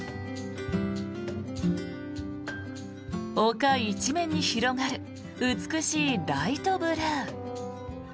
丘一面に広がる美しいライトブルー。